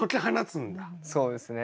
そうですね。